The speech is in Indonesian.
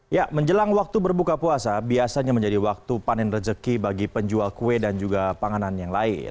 ya menjelang waktu berbuka puasa biasanya menjadi waktu panen rezeki bagi penjual kue dan juga panganan yang lain